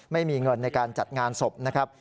ไม่มีเงินในการจัดงานศพนะครับ